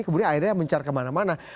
kemudian akhirnya mencar kemana mana